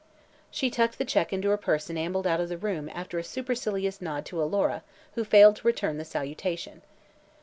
She tucked the check into her purse and ambled out of the room after a supercilious nod to Alora, who failed to return the salutation.